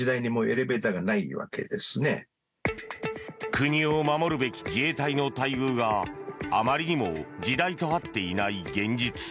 国を守るべき自衛隊の待遇があまりにも時代と合っていない現実。